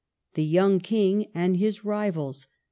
THE YOUNG KING AND HIS RIVALS.